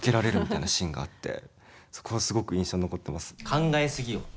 考えすぎよ。